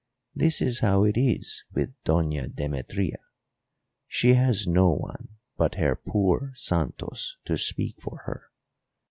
This is how it is with Doña Demetria; she has no one but her poor Santos to speak for her.